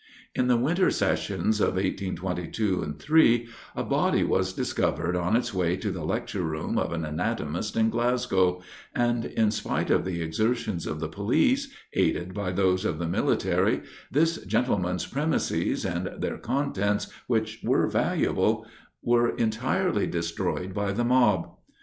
In the winter sessions of 1822 3, a body was discovered on its way to the lecture room of an anatomist in Glasgow, and in spite of the exertions of the police, aided by those of the military, this gentleman's premises and their contents, which were valuable, were entirely destroyed by the mob.